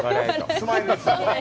スマイル。